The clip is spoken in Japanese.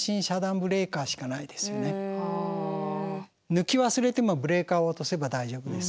抜き忘れてもブレーカーを落とせば大丈夫ですから。